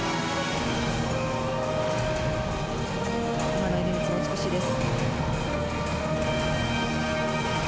今のエレメンツも美しいです。